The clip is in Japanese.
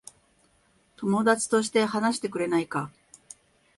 友達として話してくれないか。